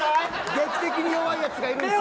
劇的に弱いやつがいるんですよ。